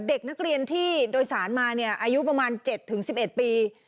เพราะว่าได้เรียนที่โดยสารมาเนี่ยอายุประมาณ๗ถึง๑๑ปี